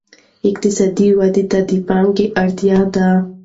اقتصادي ودې ته د پانګې اړتیا ده.